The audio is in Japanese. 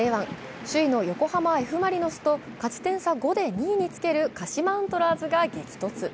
首位の横浜Ｆ・マリノスと勝ち点差５で２位につける鹿島アントラーズが激突。